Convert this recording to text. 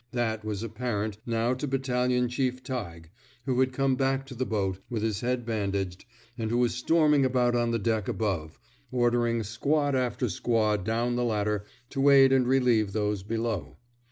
That was apparent now to Battalion Chief Tighe, who had come back to the boat, with his head bandaged, and who was storming about on the deck above, ordering squad after squad down the ladder to aid and relieve those below.